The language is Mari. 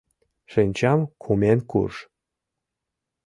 Шинчам кумен курж!